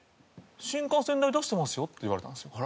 新幹線代出してますよって言われたんですよ。